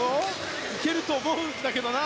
いけると思うんだけどな。